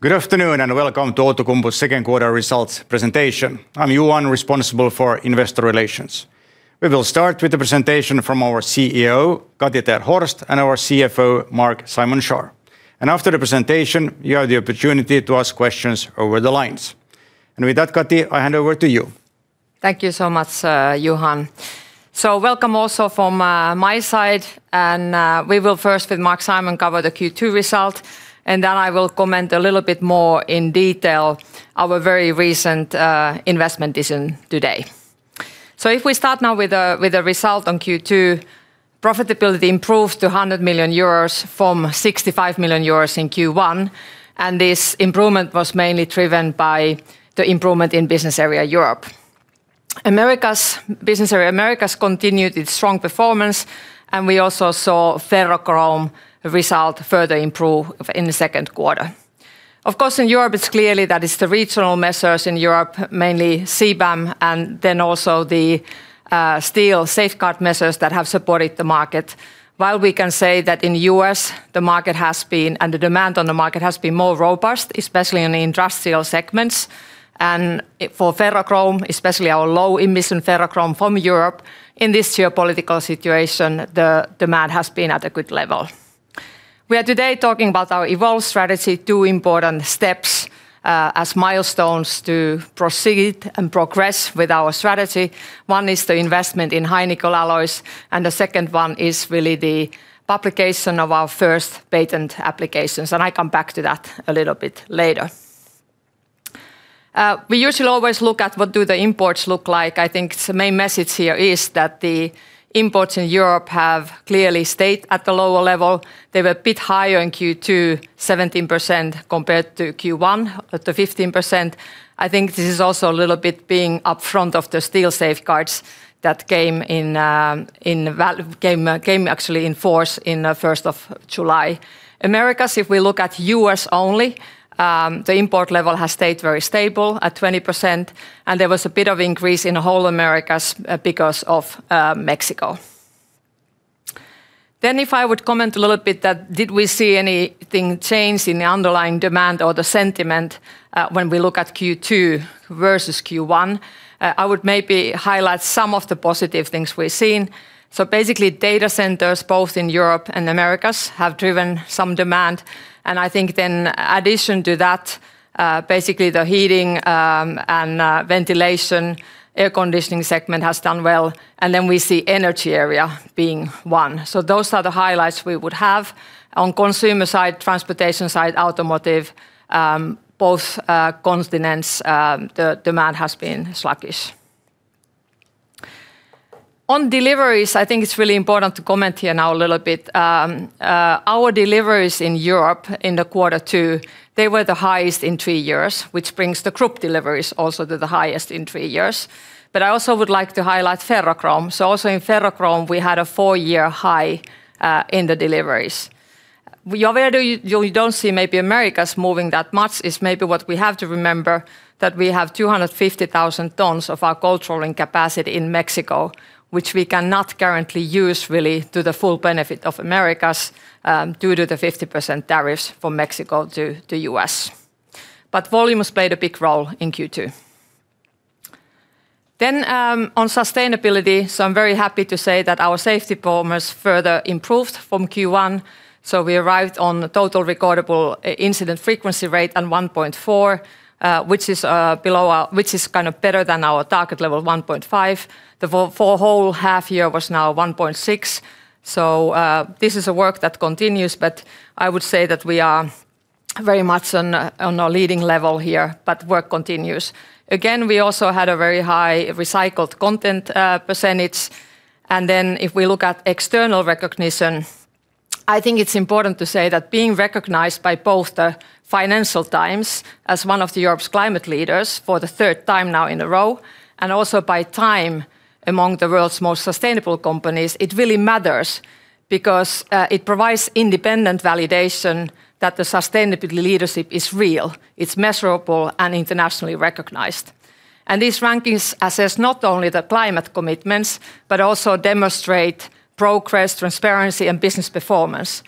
Good afternoon, and welcome to Outokumpu second quarter results presentation. I'm Johan, responsible for Investor Relations. We will start with the presentation from our CEO, Kati ter Horst, and our CFO, Marc-Simon Schaar. After the presentation, you have the opportunity to ask questions over the lines. With that, Kati, I hand over to you. Thank you so much, Johan. Welcome also from my side. We will first with Marc-Simon cover the Q2 result. Then I will comment a little bit more in detail our very recent investment decision today. If we start now with the result on Q2, profitability improved to 100 million euros from 65 million euros in Q1. This improvement was mainly driven by the improvement in Business Area Europe. Business Area Americas continued its strong performance, and we also saw ferrochrome result further improve in the second quarter. Of course, in Europe, it's clear that it's the regional measures in Europe, mainly CBAM, then also the steel safeguard measures that have supported the market. While we can say that in the U.S., the market has been, and the demand on the market has been more robust, especially in the industrial segments. For ferrochrome, especially our low emission ferrochrome from Europe, in this geopolitical situation, the demand has been at a good level. We are today talking about our EVOLVE strategy, two important steps, as milestones to proceed and progress with our strategy. One is the investment in high-nickel alloys. The second one is really the publication of our first patent applications. I come back to that a little bit later. We usually always look at what do the imports look like. I think the main message here is that the imports in Europe have clearly stayed at the lower level. They were a bit higher in Q2, 17% compared to Q1 at 15%. I think this is also a little bit being upfront of the steel safeguards that came actually in force in July 1st. Americas, if we look at U.S. only, the import level has stayed very stable at 20%. There was a bit of increase in the whole Americas because of Mexico. If I would comment a little bit that did we see anything change in the underlying demand or the sentiment, when we look at Q2 versus Q1, I would maybe highlight some of the positive things we're seeing. Basically, data centers both in Europe and Americas have driven some demand. I think, in addition to that, basically the heating, and ventilation, air conditioning segment has done well. Then we see energy area being one. Those are the highlights we would have. On consumer side, transportation side, automotive, both continents, the demand has been sluggish. On deliveries, I think it's really important to comment here now a little bit. Our deliveries in Europe in the quarter two, they were the highest in three years, which brings the group deliveries also to the highest in three years. I also would like to highlight ferrochrome. Also in ferrochrome, we had a four-year high in the deliveries. Where you don't see maybe Americas moving that much is maybe what we have to remember that we have 250,000 tons of our cold rolling capacity in Mexico, which we cannot currently use really to the full benefit of Americas, due to the 50% tariffs from Mexico to U.S. Volumes played a big role in Q2. On sustainability, I'm very happy to say that our safety performance further improved from Q1. We arrived on the total recordable incident frequency rate at 1.4, which is kind of better than our target level of 1.5, the whole half year was now 1.6. This is a work that continues, but I would say that we are very much on a leading level here, but work continues. Again, we also had a very high recycled content percentage. If we look at external recognition, I think it's important to say that being recognized by both the Financial Times as one of the Europe's climate leaders for the third time now in a row, and also by Time among the world's most sustainable companies, it really matters because it provides independent validation that the sustainability leadership is real, it's measurable, and internationally recognized. These rankings assess not only the climate commitments but also demonstrate progress, transparency, and business performance.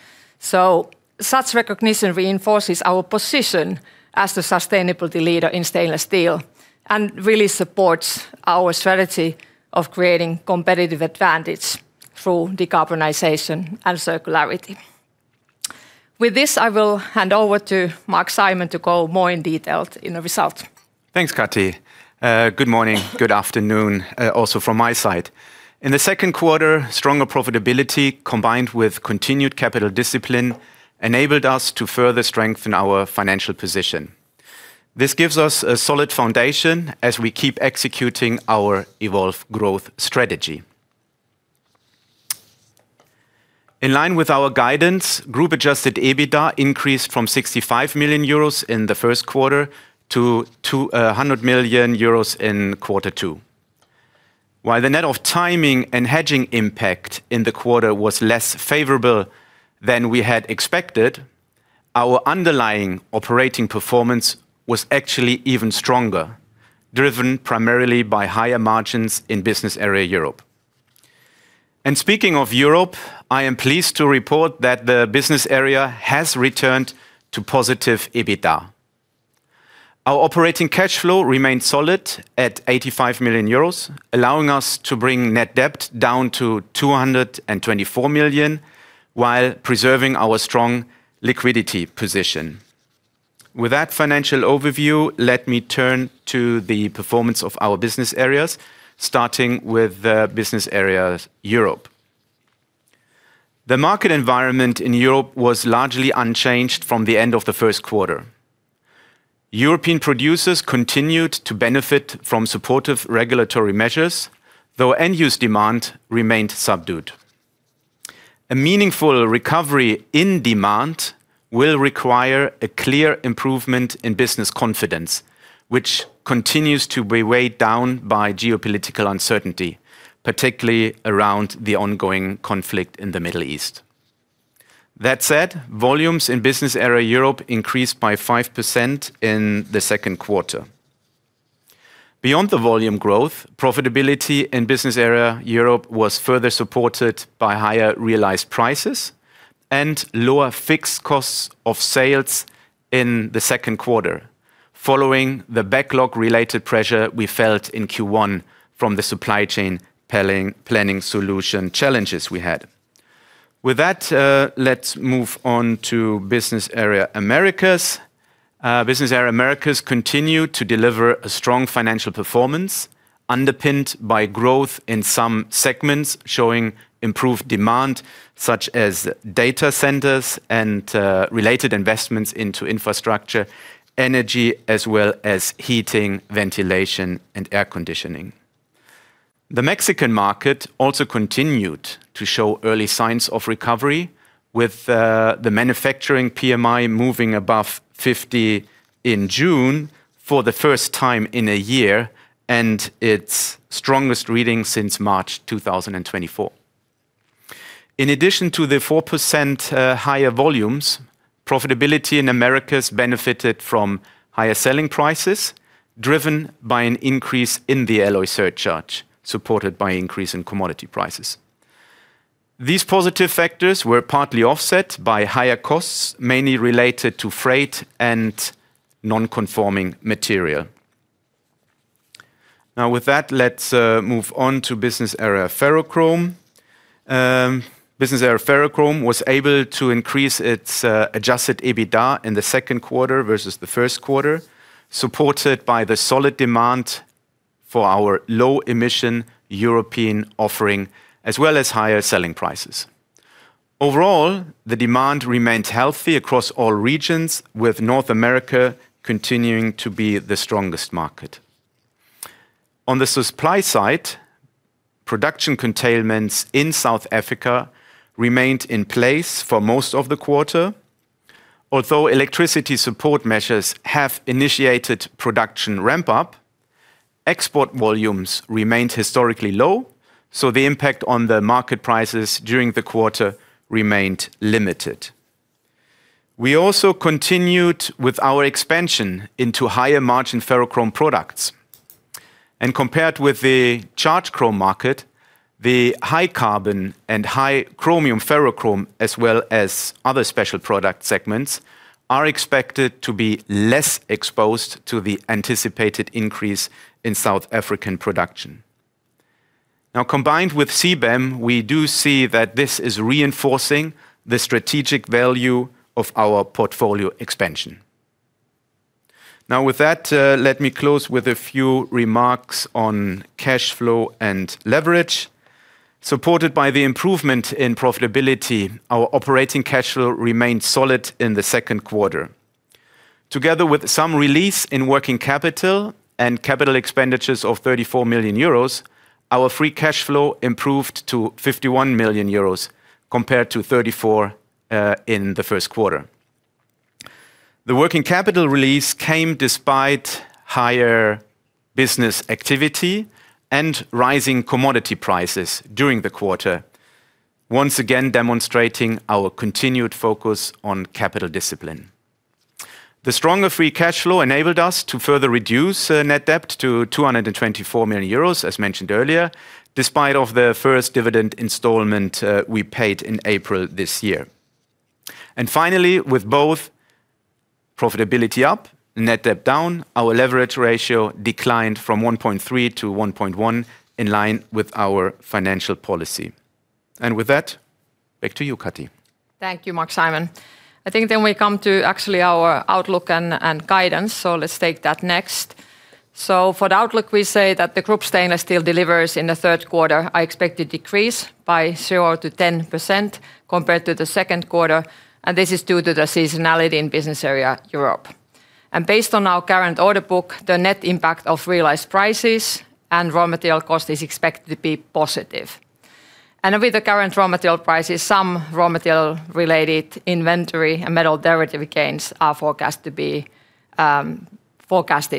Such recognition reinforces our position as the sustainability leader in stainless steel and really supports our strategy of creating competitive advantage through decarbonization and circularity. With this, I will hand over to Marc-Simon to go more in detail in the result. Thanks, Kati. Good morning, good afternoon also from my side. In the second quarter, stronger profitability combined with continued capital discipline enabled us to further strengthen our financial position. This gives us a solid foundation as we keep executing our EVOLVE growth strategy. In line with our guidance, group adjusted EBITDA increased from 65 million euros in the first quarter to 100 million euros in the second quarter. While the net of timing and hedging impact in the quarter was less favorable than we had expected, our underlying operating performance was actually even stronger, driven primarily by higher margins in Business Area Europe. Speaking of Europe, I am pleased to report that the Business Area has returned to positive EBITDA. Our operating cash flow remained solid at 85 million euros, allowing us to bring net debt down to 224 million while preserving our strong liquidity position. With that financial overview, let me turn to the performance of our business areas, starting with the Business Area Europe. The market environment in Europe was largely unchanged from the end of the first quarter. European producers continued to benefit from supportive regulatory measures, though end-use demand remained subdued. A meaningful recovery in demand will require a clear improvement in business confidence, which continues to be weighed down by geopolitical uncertainty, particularly around the ongoing conflict in the Middle East. That said, volumes in Business Area Europe increased by 5% in the second quarter. Beyond the volume growth, profitability in Business Area Europe was further supported by higher realized prices and lower fixed costs of sales in the second quarter following the backlog related pressure we felt in Q1 from the supply chain planning solution challenges we had. With that, let's move on to Business Area Americas. Business Area Americas continued to deliver a strong financial performance underpinned by growth in some segments, showing improved demand such as data centers and related investments into infrastructure, energy, as well as heating, ventilation and air conditioning. The Mexican market also continued to show early signs of recovery with the manufacturing PMI moving above 50 in June for the first time in a year, and its strongest reading since March 2024. In addition to the 4% higher volumes, profitability in Americas benefited from higher selling prices, driven by an increase in the alloy surcharge, supported by increase in commodity prices. These positive factors were partly offset by higher costs, mainly related to freight and non-conforming material. With that, let's move on to Business Area Ferrochrome. Business Area Ferrochrome was able to increase its adjusted EBITDA in the second quarter versus the first quarter, supported by the solid demand for our low emission European offering, as well as higher selling prices. Overall, the demand remained healthy across all regions, with North America continuing to be the strongest market. On the supply side, production containments in South Africa remained in place for most of the quarter. Although electricity support measures have initiated production ramp up, export volumes remained historically low, so the impact on the market prices during the quarter remained limited. We also continued with our expansion into higher margin ferrochrome products. Compared with the charge chrome market, the high-carbon, high-chromium ferrochrome, as well as other special product segments, are expected to be less exposed to the anticipated increase in South African production. Combined with CBAM, we do see that this is reinforcing the strategic value of our portfolio expansion. With that, let me close with a few remarks on cash flow and leverage. Supported by the improvement in profitability, our operating cash flow remained solid in the second quarter. Together with some release in working capital and capital expenditures of 34 million euros, our free cash flow improved to 51 million euros compared to 34 million in the first quarter. The working capital release came despite higher business activity and rising commodity prices during the quarter, once again demonstrating our continued focus on capital discipline. The stronger free cash flow enabled us to further reduce net debt to 224 million euros, as mentioned earlier, despite of the first dividend installment we paid in April this year. Finally, with both profitability up, net debt down, our leverage ratio declined from 1.3x to 1.1x in line with our financial policy. With that, back to you, Kati. Thank you, Marc-Simon. I think we come to actually our outlook and guidance. Let's take that next. For the outlook, we say that the group stainless steel delivers in the third quarter are expected decrease by 0%-10% compared to the second quarter, this is due to the seasonality in Business Area Europe. Based on our current order book, the net impact of realized prices and raw material cost is expected to be positive. With the current raw material prices, some raw material related inventory and metal derivative gains are forecasted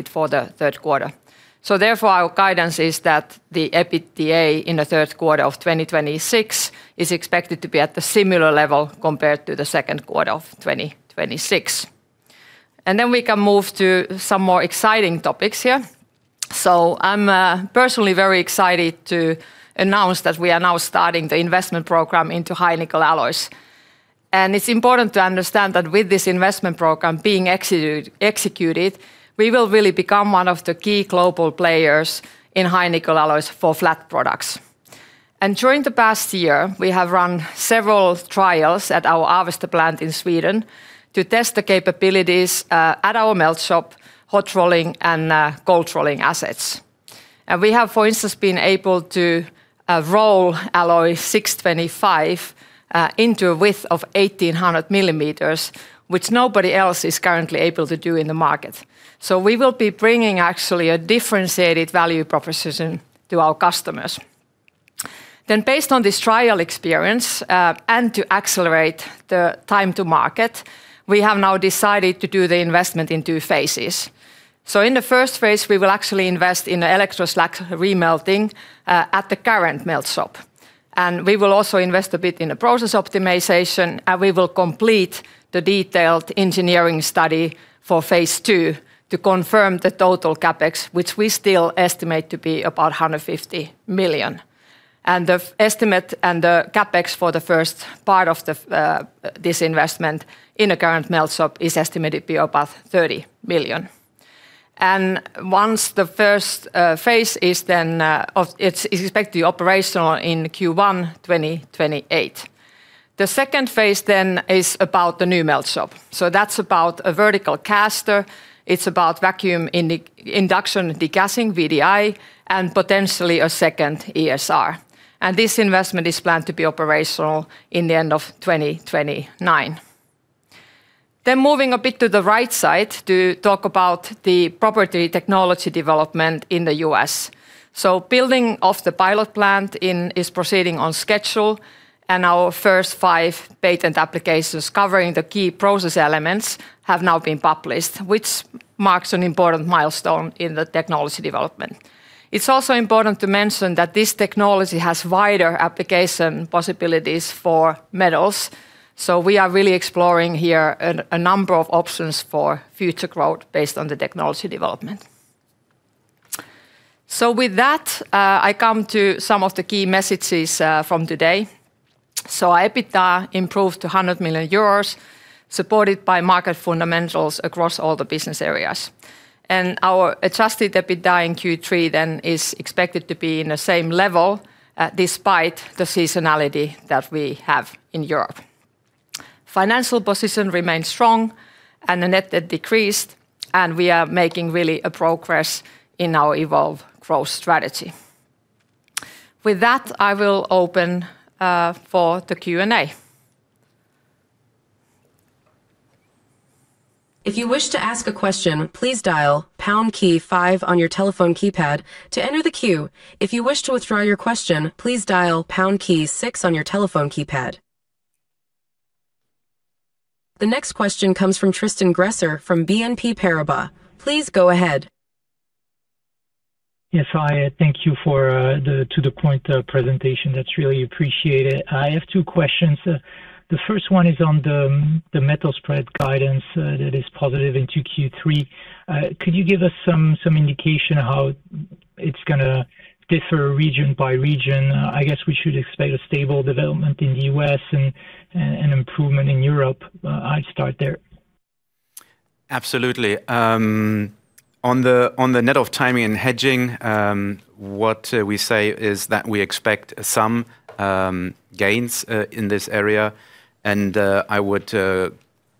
for the third quarter. Therefore, our guidance is that the EBITDA in the third quarter of 2026 is expected to be at the similar level compared to the second quarter of 2026. We can move to some more exciting topics here. I'm personally very excited to announce that we are now starting the investment program into high-nickel alloys. It's important to understand that with this investment program being executed, we will really become one of the key global players in high-nickel alloys for flat products. During the past year, we have run several trials at our Avesta plant in Sweden to test the capabilities at our melt shop, hot rolling, and cold rolling assets. We have, for instance, been able to roll Alloy 625 into a width of 1,800 mm, which nobody else is currently able to do in the market. We will be bringing a differentiated value proposition to our customers. Based on this trial experience, to accelerate the time to market, we have now decided to do the investment in two phases. In the first phase, we will actually invest in the electroslag remelting at the current melt shop. We will also invest a bit in the process optimization, and we will complete the detailed engineering study for phase II to confirm the total CapEx, which we still estimate to be about 150 million. The estimate and the CapEx for the first part of this investment in the current melt shop is estimated to be about 30 million. Once the first phase is expected to be operational in Q1 2028. The second phase is about the new melt shop. That's about a vertical caster, it's about vacuum induction degassing, VDI, and potentially a second ESR. This investment is planned to be operational in the end of 2029. Moving a bit to the right side to talk about the property technology development in the U.S. Building of the pilot plant is proceeding on schedule, and our first five patent applications covering the key process elements have now been published, which marks an important milestone in the technology development. It's also important to mention that this technology has wider application possibilities for metals, so we are really exploring here a number of options for future growth based on the technology development. With that, I come to some of the key messages from today. EBITDA improved to 100 million euros, supported by market fundamentals across all the business areas. Our adjusted EBITDA in Q3 is expected to be in the same level, despite the seasonality that we have in Europe. Financial position remains strong and the net debt decreased, and we are making really a progress in our EVOLVE growth strategy. With that, I will open for the Q&A. If you wish to ask a question, please dial pound key five on your telephone keypad to enter the queue. If you wish to withdraw your question, please dial pound key six on your telephone keypad. The next question comes from Tristan Gresser from BNP Paribas. Please go ahead. Hi, thank you for the to-the-point presentation. That's really appreciated. I have two questions, the first one is on the metal spread guidance that is positive into Q3. Could you give us some indication how it's going to differ region by region? I guess we should expect a stable development in the U.S. and an improvement in Europe? I start there. Absolutely. On the net of timing and hedging, what we say is that we expect some gains in this area, I would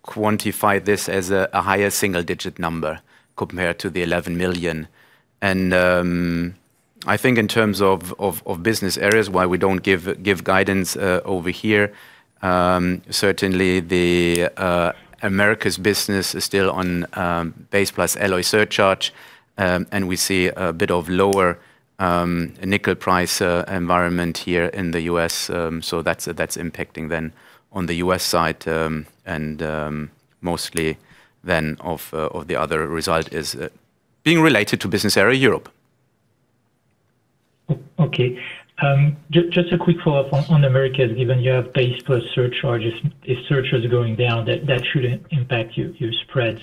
quantify this as a higher single-digit number compared to the 11 million. I think in terms of business areas, why we don't give guidance over here, certainly the Americas business is still on base plus alloy surcharge, we see a bit of lower nickel price environment here in the U.S. That's impacting then on the U.S. side, mostly then of the other result is being related to Business Area Europe. Okay. Just a quick follow-up on Americas. Given you have base plus surcharges, if surcharges are going down, that should impact your spreads,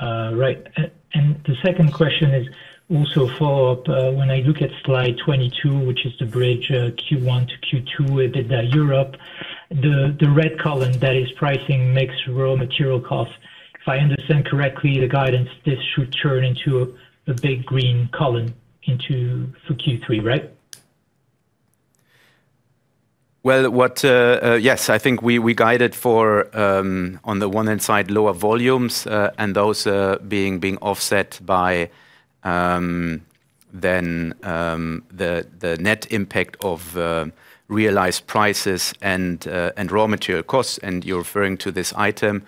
right? The second question is also a follow-up. When I look at slide 22, which is the bridge Q1 to Q2 EBITDA Europe, the red column that is pricing makes raw material cost. If I understand correctly, the guidance, this should turn into a big green column for Q3, right? Yes. I think we guided for, on the one hand side, lower volumes, those being offset by the net impact of realized prices and raw material costs. You're referring to this item.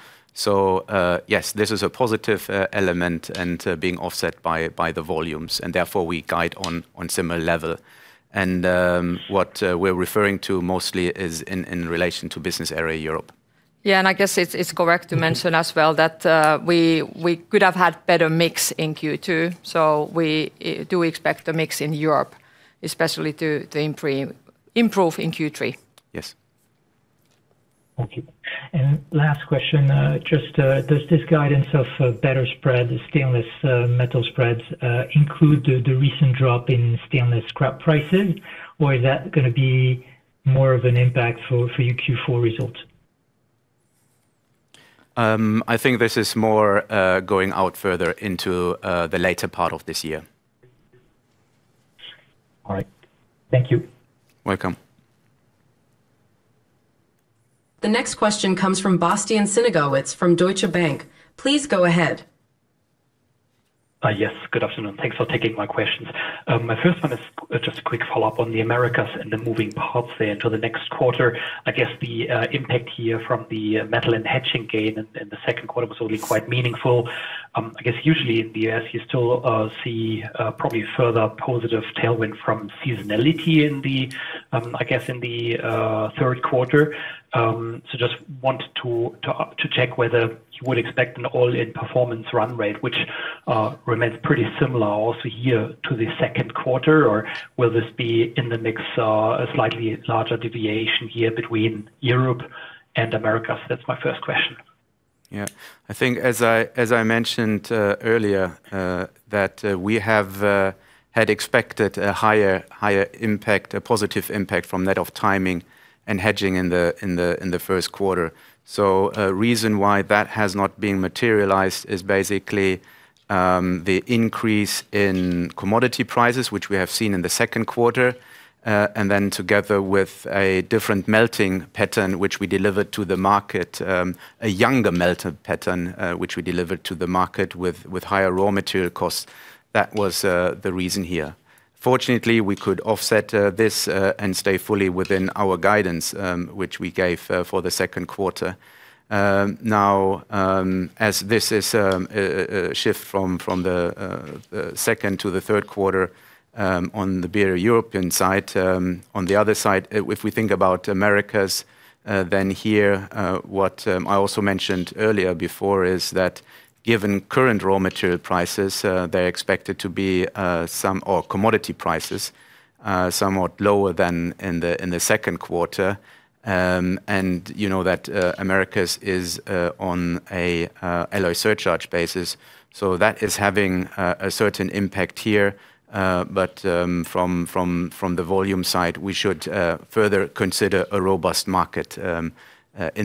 Yes, this is a positive element being offset by the volumes, therefore we guide on similar level. What we're referring to mostly is in relation to Business Area Europe. Yeah, I guess it's correct to mention as well that we could have had better mix in Q2. We do expect the mix in Europe especially to improve in Q3. Yes. Thank you. Last question, does this guidance of better spread, the stainless metal spreads, include the recent drop in stainless scrap prices, or is that going to be more of an impact for your Q4 results? I think this is more going out further into the later part of this year. All right. Thank you. You're welcome. The next question comes from Bastian Synagowitz from Deutsche Bank. Please go ahead. Yes, good afternoon. Thanks for taking my questions. My first one is just a quick follow-up on the Americas and the moving parts there into the next quarter. I guess the impact here from the metal and hedging gain in the second quarter was already quite meaningful. I guess usually in the U.S., you still see probably a further positive tailwind from seasonality in the third quarter. Just wanted to check whether you would expect an all-in performance run rate, which remains pretty similar also here to the second quarter, or will this be in the mix a slightly larger deviation here between Europe and Americas? That's my first question. Yeah. I think as I mentioned earlier, that we have had expected a higher impact, a positive impact from that of timing and hedging in the first quarter. A reason why that has not been materialized is basically the increase in commodity prices, which we have seen in the second quarter, and then together with a different melting pattern, which we delivered to the market, a younger melting pattern, which we delivered to the market with higher raw material costs. That was the reason here. Fortunately, we could offset this, and stay fully within our guidance, which we gave for the second quarter. As this is a shift from the second to the third quarter on the BA Europe side, on the other side, if we think about Americas, then here, what I also mentioned earlier before is that given current raw material prices, they are expected to be some, or commodity prices, somewhat lower than in the second quarter. You know that Americas is on an alloy surcharge basis, so that is having a certain impact here. From the volume side, we should further consider a robust market in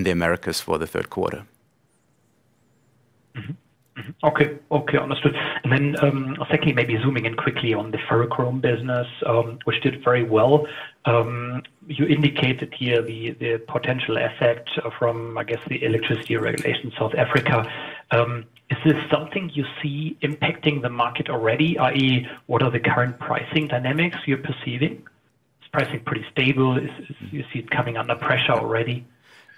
the Americas for the third quarter. Okay, understood. Secondly, maybe zooming in quickly on the ferrochrome business, which did very well. You indicated here the potential effect from, I guess, the electricity regulation South Africa. Is this something you see impacting the market already, i.e., what are the current pricing dynamics you are perceiving? Is pricing pretty stable? You see it coming under pressure already?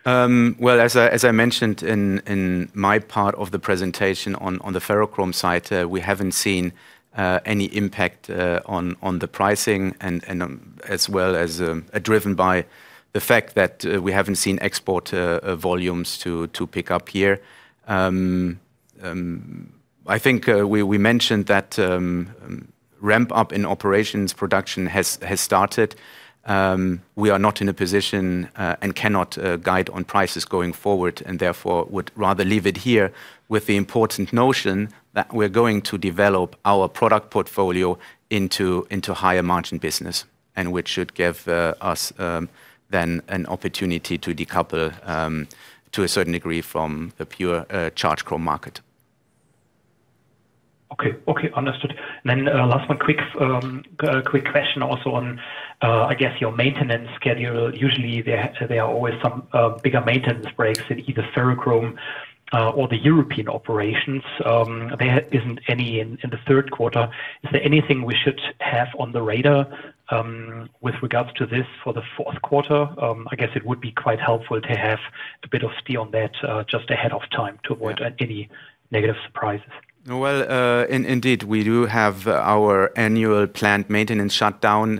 Well, as I mentioned in my part of the presentation on the ferrochrome side, we haven't seen any impact on the pricing and as well as driven by the fact that we haven't seen export volumes to pick up here. I think we mentioned that ramp-up in operations production has started. We are not in a position, and cannot guide on prices going forward and therefore would rather leave it here with the important notion that we're going to develop our product portfolio into higher margin business, and which should give us then an opportunity to decouple to a certain degree from the pure charge chrome market. Okay, understood. Last one quick question also on, I guess your maintenance schedule. Usually, there are always some bigger maintenance breaks in either ferrochrome or the European operations. There isn't any in the third quarter. Is there anything we should have on the radar with regards to this for the fourth quarter? I guess it would be quite helpful to have a bit of steer on that, just ahead of time to avoid any negative surprises. Well, indeed, we do have our annual plant maintenance shutdown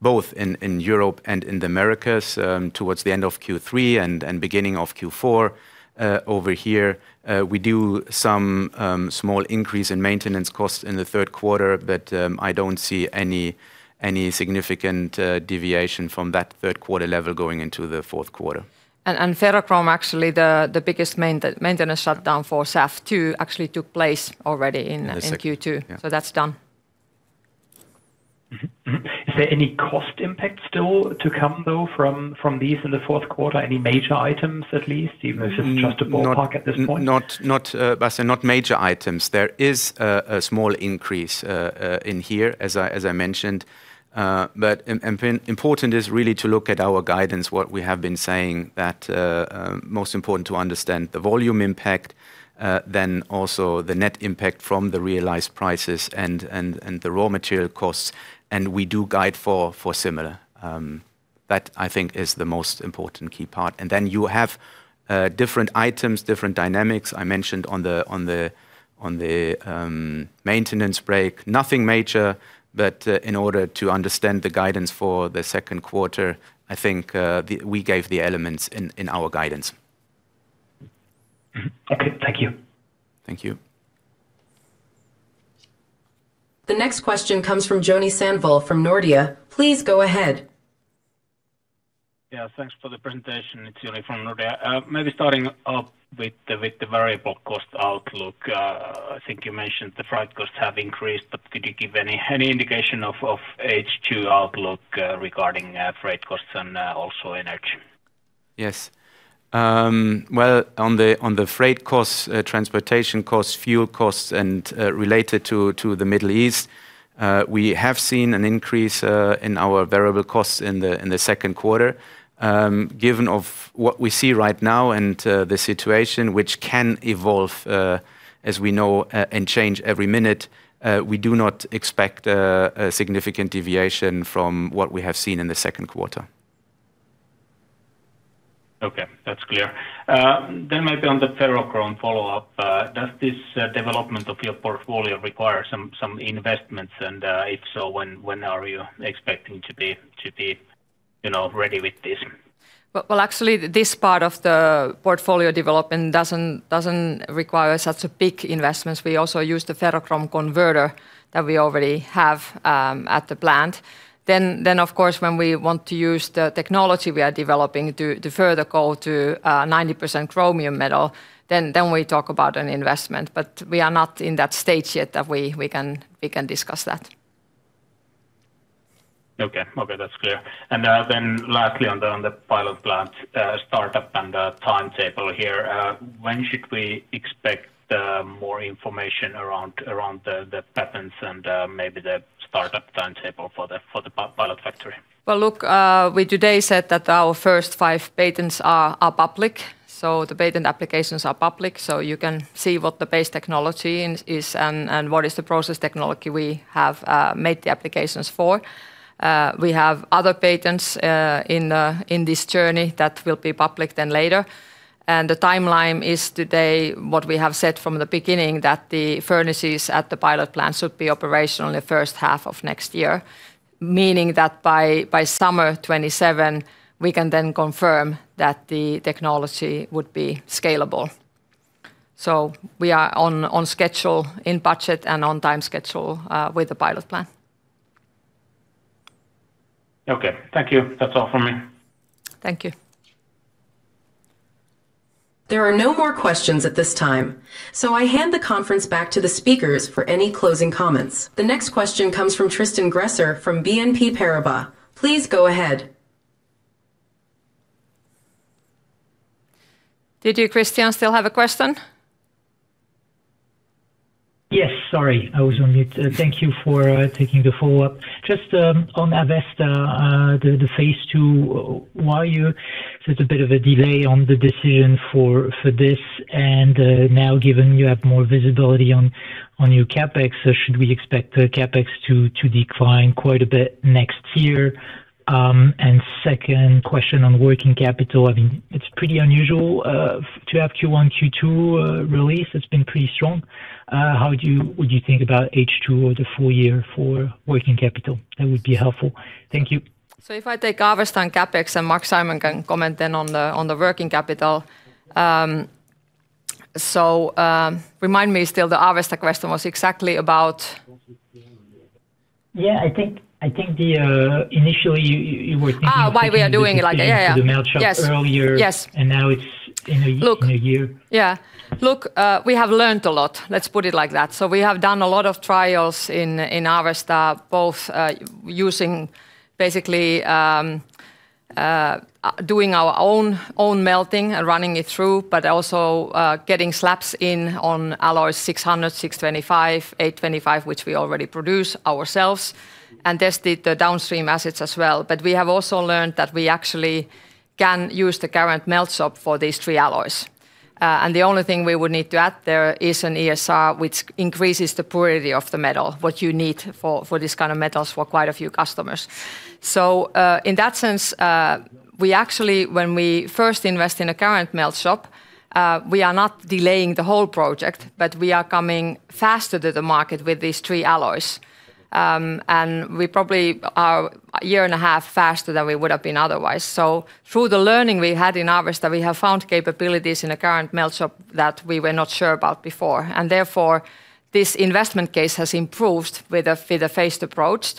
both in Europe and in the Americas, towards the end of Q3 and beginning of Q4. Over here we do some small increase in maintenance costs in the third quarter, but I don't see any significant deviation from that third quarter level going into the fourth quarter. Ferrochrome actually, the biggest maintenance shutdown for SAF 2 actually took place already in Q2. So, that's done. Is there any cost impact still to come, though, from these in the fourth quarter? Any major items at least, even if it's just a ballpark at this point? Bastian, not major items. There is a small increase in here as I mentioned. Important is really to look at our guidance, what we have been saying that most important to understand the volume impact, then also the net impact from the realized prices and the raw material costs, and we do guide for similar. That I think is the most important key part. Then you have different items, different dynamics I mentioned on the maintenance break. Nothing major, but in order to understand the guidance for the second quarter, I think we gave the elements in our guidance. Okay, thank you. Thank you. The next question comes from Joni Sandvall from Nordea. Please go ahead. Yeah, thanks for the presentation. It is Joni from Nordea. Maybe starting up with the variable cost outlook. I think you mentioned the freight costs have increased, but could you give any indication of H2 outlook regarding freight costs and also energy? Yes. Well, on the freight costs, transportation costs, fuel costs, and related to the Middle East, we have seen an increase in our variable costs in the second quarter. Given what we see right now and the situation, which can evolve as we know and change every minute, we do not expect a significant deviation from what we have seen in the second quarter. Okay, that's clear. Maybe on the ferrochrome follow-up, does this development of your portfolio require some investments? If so, when are you expecting to be ready with this? Well, actually, this part of the portfolio development doesn't require such big investments. We also use the ferrochrome converter that we already have at the plant. Of course, when we want to use the technology we are developing to further go to 90% chromium metal, then we talk about an investment. We are not in that stage yet that we can discuss that. Okay, that's clear. Lastly, on the pilot plant, startup and timetable here. When should we expect more information around the patents and maybe the startup timetable for the pilot factory? We today said that our first five patents are public. The patent applications are public, so you can see what the base technology is and what is the process technology we have made the applications for. We have other patents in this journey that will be public then later. The timeline is today, what we have said from the beginning, that the furnaces at the pilot plant should be operational in the first half of next year. Meaning that by summer 2027, we can then confirm that the technology would be scalable. We are on schedule, in budget and on time schedule with the pilot plan. Okay. Thank you, that's all from me. Thank you. There are no more questions at this time, so I hand the conference back to the speakers for any closing comments. The next question comes from Tristan Gresser from BNP Paribas. Please go ahead. Did you, Tristan, still have a question? Yes. Sorry, I was on mute. Thank you for taking the follow-up. Just on Avesta, the phase II, why are you still at a bit of a delay on the decision for this and now given you have more visibility on your CapEx, should we expect the CapEx to decline quite a bit next year? Second question on working capital. It is pretty unusual to have Q1, Q2 release. It has been pretty strong. What do you think about H2 or the full-year for working capital? That would be helpful. Thank you. If I take Avesta and CapEx, Marc-Simon can comment on the working capital. Remind me still, the Avesta question was exactly about? Yeah, I think initially you were thinking to the melt shop earlier- Why we are doing- Now it's in a year. Yes. Look, we have learned a lot, let's put it like that. We have done a lot of trials in Avesta, both using basically doing our own melting and running it through, but also getting slabs in on alloys 600, 625, 825, which we already produce ourselves, and tested the downstream assets as well. We have also learned that we actually can use the current melt shop for these three alloys. The only thing we would need to add there is an ESR, which increases the purity of the metal, what you need for this kind of metals for quite a few customers. In that sense, we actually, when we first invest in a current melt shop, we are not delaying the whole project, but we are coming faster to the market with these three alloys. We probably are a year and a half faster than we would have been otherwise. Through the learning we had in Avesta, we have found capabilities in a current melt shop that we were not sure about before. Therefore, this investment case has improved with a phased approach.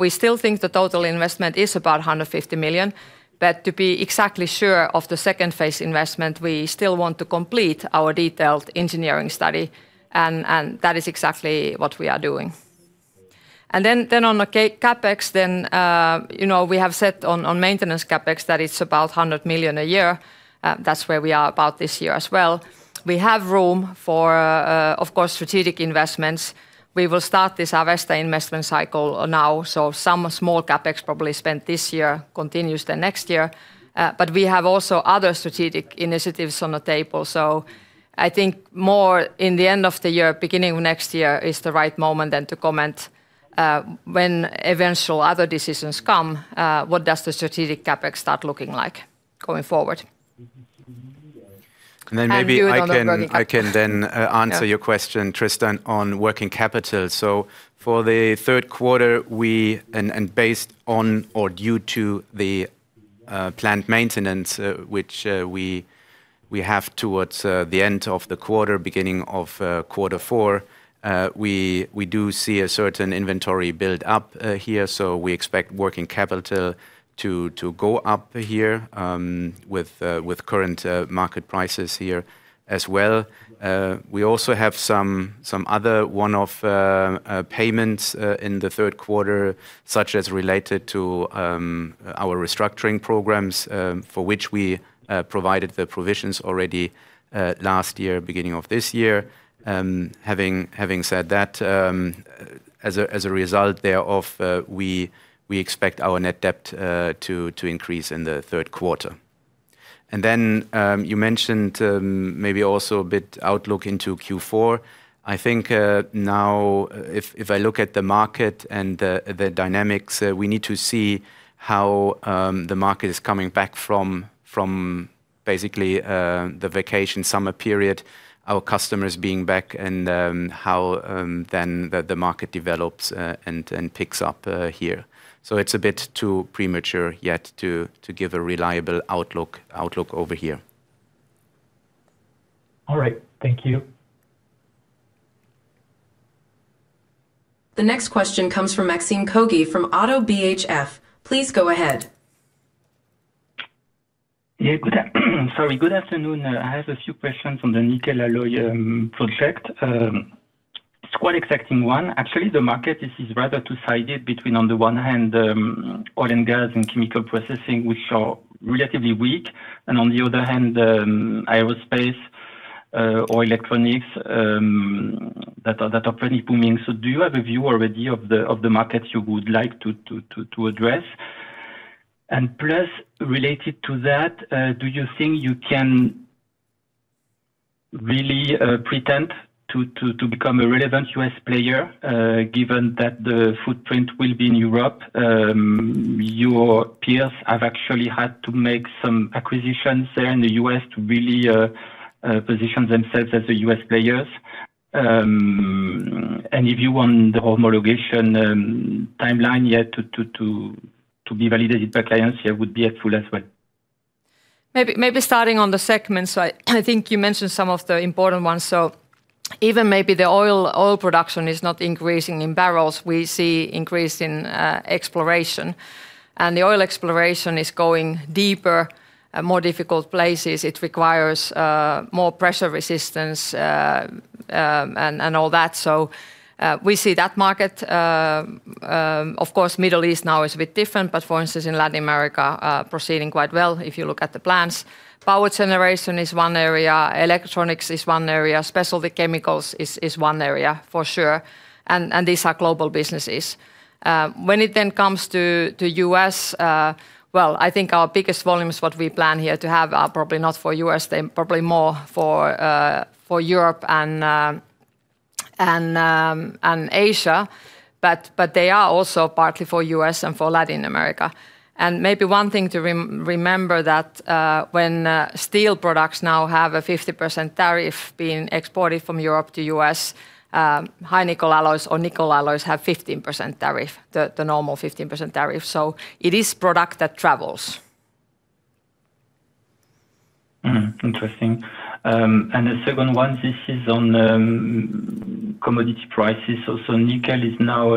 We still think the total investment is about 150 million, but to be exactly sure of the second phase investment, we still want to complete our detailed engineering study, and that is exactly what we are doing. On the CapEx, we have set on maintenance CapEx that it's about 100 million a year. That's where we are about this year as well. We have room for, of course, strategic investments. We will start this Avesta investment cycle now. Some small CapEx probably spent this year continues to next year. We have also other strategic initiatives on the table. I think more in the end of the year, beginning of next year is the right moment then to comment when eventual other decisions come, what does the strategic CapEx start looking like going forward. On the working capital- Maybe I can answer your question, Tristan, on working capital. For the third quarter, based on or due to the planned maintenance, which we have towards the end of the quarter, beginning of quarter four. We do see a certain inventory build up here. We expect working capital to go up here with current market prices here as well. We also have some other one-off payments in the third quarter, such as related to our restructuring programs, for which we provided the provisions already last year, beginning of this year. Having said that, as a result thereof, we expect our net debt to increase in the third quarter. You mentioned maybe also a bit outlook into Q4. I think now if I look at the market and the dynamics, we need to see how the market is coming back from basically the vacation summer period, our customers being back, and how the market develops and picks up here. It's a bit too premature yet to give a reliable outlook over here. All right. Thank you. The next question comes from Maxime Kogge from ODDO BHF. Please go ahead. Sorry, good afternoon. I have a few questions on the nickel alloy project. It is quite an exciting one. Actually, the market is rather two-sided between, on the one hand, oil and gas and chemical processing, which are relatively weak, and on the other hand, aerospace or electronics that are pretty booming. Do you have a view already of the markets you would like to address? Plus, related to that, do you think you can really pretend to become a relevant U.S. player, given that the footprint will be in Europe? Your peers have actually had to make some acquisitions there in the U.S. to really position themselves as U.S. players. If you want the whole homologation timeline, yeah, to be validated by clients here would be helpful as well. Maybe starting on the segments. I think you mentioned some of the important ones. Even maybe the oil production is not increasing in barrels, we see increase in exploration. The oil exploration is going deeper, more difficult places. It requires more pressure resistance and all that. We see that market. Of course, Middle East now is a bit different, for instance, in Latin America, proceeding quite well if you look at the plans. Power generation is one area, electronics is one area, specialty chemicals is one area for sure, these are global businesses. I think our biggest volumes, what we plan here to have are probably not for U.S., they are probably more for Europe and Asia. They are also partly for U.S. and for Latin America. Maybe one thing to remember that when steel products now have a 50% tariff being exported from Europe to U.S., high-nickel alloys or nickel alloys have 15% tariff, the normal 15% tariff. It is product that travels. Interesting. The second one, this is on commodity prices also. Nickel is now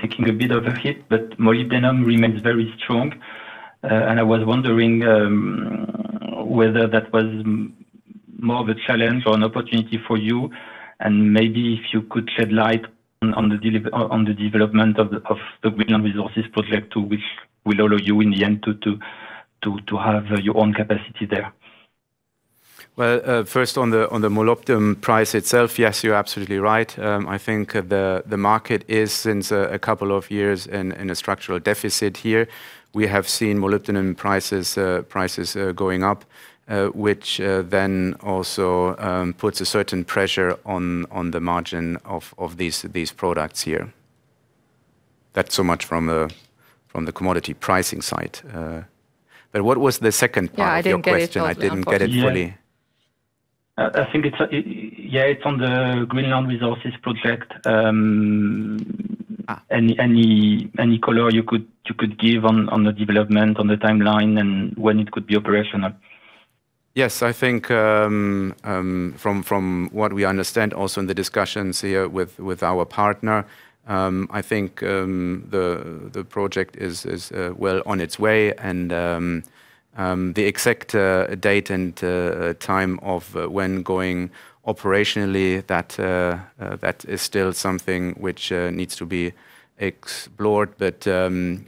taking a bit of a hit, molybdenum remains very strong. I was wondering whether that was more of a challenge or an opportunity for you, maybe if you could shed light on the development of the Greenland Resources project, too, which will allow you in the end to have your own capacity there. Well, first on the molybdenum price itself, yes, you're absolutely right. I think the market is, since a couple of years, in a structural deficit here. We have seen molybdenum prices going up, which also puts a certain pressure on the margin of these products here. That's so much from the commodity pricing side. What was the second part of your question? Yeah, I didn't get it all. I didn't get it fully. Yeah. I think it's on the Greenland Resources project. Any color you could give on the development, on the timeline, and when it could be operational? Yes, I think from what we understand also in the discussions here with our partner, I think the project is well on its way and the exact date and time of when going operationally, that is still something which needs to be explored.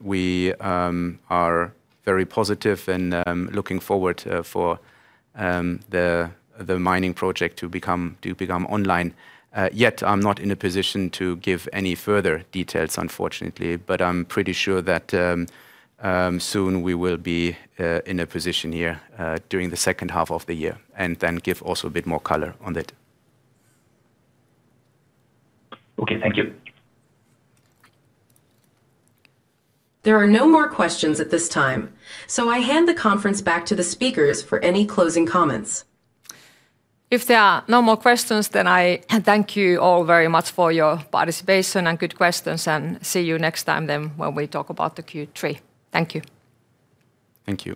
We are very positive and looking forward for the mining project to become online. I'm not in a position to give any further details, unfortunately. I'm pretty sure that soon we will be in a position here during the second half of the year and then give also a bit more color on it. Okay, thank you. There are no more questions at this time. I hand the conference back to the speakers for any closing comments. If there are no more questions, I thank you all very much for your participation and good questions, and see you next time then when we talk about the Q3. Thank you. Thank you.